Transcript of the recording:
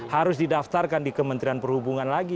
harus didaftarkan di kementerian perhubungan lagi